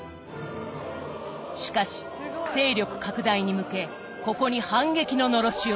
しかし勢力拡大に向けここに反撃ののろしを上げた。